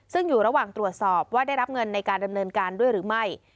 ซึ่งอยู่ระหว่างตรวจสอบว่าได้รับเงินในการดำเนินการด้วยหรือไม่